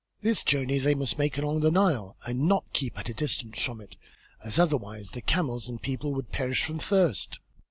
This journey they must make along the Nile and not keep at a distance from it as otherwise the camels and people would perish from thirst.